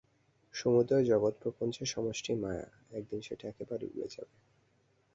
সমুদয় জগৎপ্রপঞ্চের সমষ্টিই মায়া, একদিন সেটা একেবারে উড়ে যাবে।